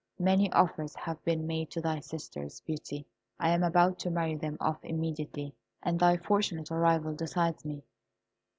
Many offers have been made to thy sisters, Beauty; I am about to marry them off immediately, and thy fortunate arrival decides me.